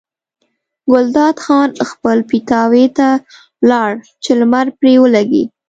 ګلداد خان خپل پیتاوي ته لاړ چې لمر پرې ولګي.